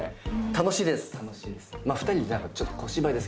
楽しいです。